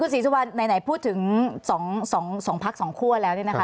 คุณศรีสุวรรณไหนพูดถึง๒พักษณ์๒คั่วแล้ว